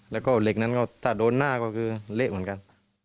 แล้วก็เหล็กนั้นก็ถ้าโดนหน้าก็คือเละเหมือนกัน